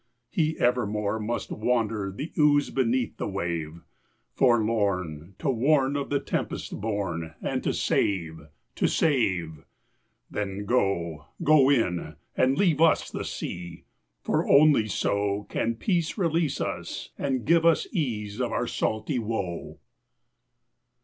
He evermore must wander the ooze Beneath the wave, Forlorn to warn of the tempest born, And to save to save! Then go, go in! and leave us the sea, For only so Can peace release us and give us ease Of our salty woe.